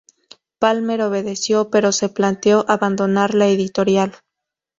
Palmer obedeció, pero se planteó abandonar la editorial.